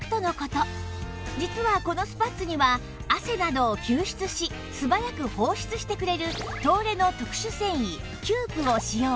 実はこのスパッツには汗などを吸湿し素早く放湿してくれる東レの特殊繊維キュープを使用